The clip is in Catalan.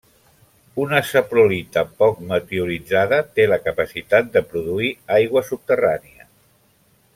Una saprolita poc meteoritzada té la capacitat de produir aigua subterrània.